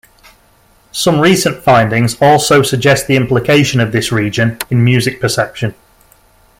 Some recent findings also suggest the implication of this region in music perception.